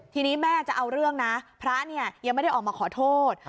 ทีนี้แม่จะเอาเรื่องนะพระเนี่ยยังไม่ได้ออกมาขอโทษ